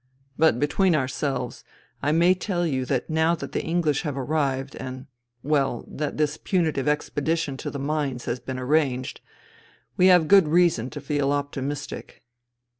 But between ourselves, I may tell you that now that the English have arrived and — well, that this punitive expedition to the mines has been arranged, we have good reason to feel optimistic."